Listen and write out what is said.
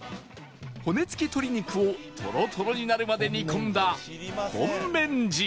骨付き鶏肉をトロトロになるまで煮込んだホンメンジー